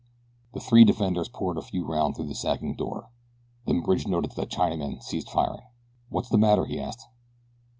The three defenders poured a few rounds through the sagging door, then Bridge noted that the Chinaman ceased firing. "What's the matter?" he asked.